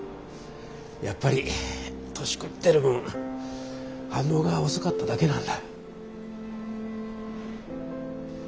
やっぱり年食ってる分反応が遅かっただけなんだ。